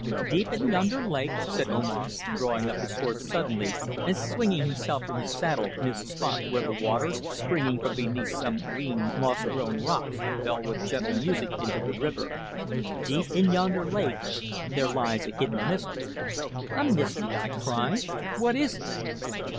"Deep in yonder lake," said Omar, drawing up his horse suddenly and swinging himself from his saddle near the spot where the waters, springing from beneath some green, moss grown rocks, fell with gentle music into the river "deep in yonder lake there lies a hidden mystery." "A mystery!" I cried. "What is it?"